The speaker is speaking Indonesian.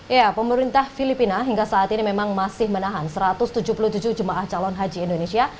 ya pemerintah filipina hingga saat ini memang masih menahan satu ratus tujuh puluh tujuh jemaah calon haji indonesia